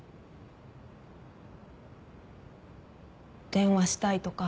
電話したいとか